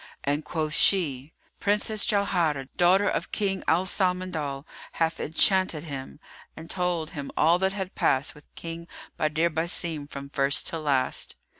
and quoth she, "Princess Jauharah, daughter of King Al Samandal, hath enchanted him:" and told him all that had passed with King Badr Basim from first to last.